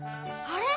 あれ？